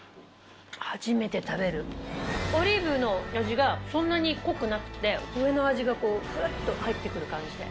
オリーブの味がそんなに濃くなくて上の味がフッと入って来る感じで。